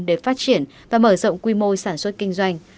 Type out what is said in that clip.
để phát triển và mở rộng quy mô sản xuất kinh doanh